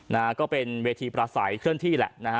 นะฮะก็เป็นเวทีประสัยเคลื่อนที่แหละนะฮะ